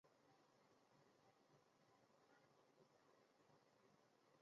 江苏省常州府武进县人。